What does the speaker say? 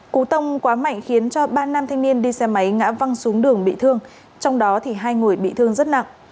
cú tông quá mạnh khiến cho ba nam thanh niên đi xe máy ngã văng xuống đường bị thương trong đó hai người bị thương rất nặng